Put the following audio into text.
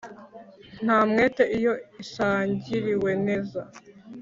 ntamwete iyo isangiriwe neza